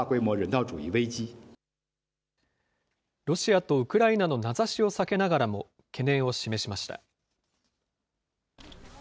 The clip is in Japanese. ロシアとウクライナの名指しを避けながらも、懸念を示しました。